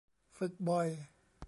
ฝึกบ่อย